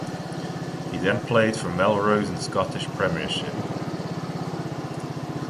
He then played for Melrose in the Scottish Premiership.